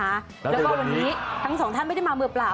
แล้วก็วันนี้ทั้งสองท่านไม่ได้มามือเปล่า